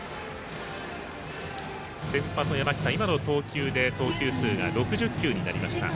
先発山北、投球数が６０球になりました。